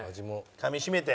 噛みしめて。